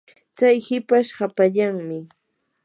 tsay hipash hapallanmi.